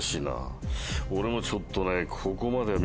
俺もちょっとね。